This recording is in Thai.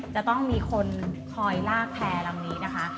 จะต้องมีคนคอยลากแพร่ลำนี้นะคะ